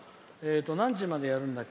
何時までやるんだっけ。